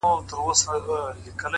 مړاوي یې سترگي’